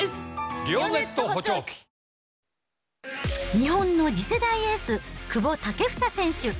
日本の次世代エース、久保建英選手。